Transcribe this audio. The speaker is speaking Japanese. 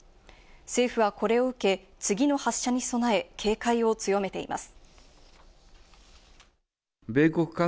政府はこれを受け、次の発射に備え、警戒を強めています。